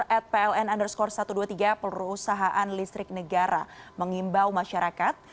at pln underscore satu ratus dua puluh tiga perusahaan listrik negara mengimbau masyarakat